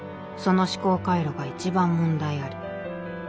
その思考回路が一番問題あり。